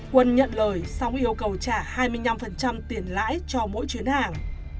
quân nhận lời xong yêu cầu trả hai mươi năm tiền lãi cho mỗi chuyến hàng